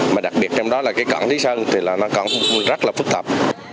mà đặc biệt trong đó là cái cảng lý sơn thì là nó còn rất là phức tạp